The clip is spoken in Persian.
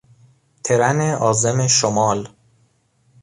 ترن عازم شمال